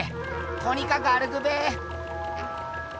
とにかく歩くべ。